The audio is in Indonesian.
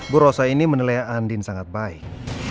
bu rosa ini menilai andin sangat baik